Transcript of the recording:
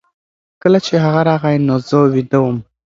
کله چې هغه راغی نو زه ویده وم.